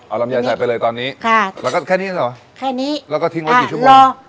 เอาลำไยใส่ไปเลยตอนนี้ค่ะแล้วก็แค่นี้เหรอแค่นี้แล้วก็ทิ้งไว้กี่ชั่วโมง